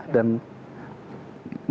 dan mengurangi kepentingan gue